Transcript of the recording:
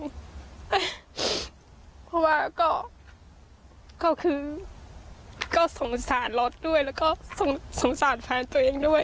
เพราะว่าก็คือก็สงสารรถด้วยแล้วก็สงสารแฟนตัวเองด้วย